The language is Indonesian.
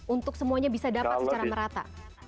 untuk semuanya bisa dapat secara merata